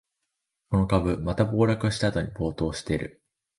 この株、また暴落したあと暴騰してる